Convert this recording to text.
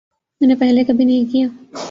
میں نے پہلے کبھی نہیں کیا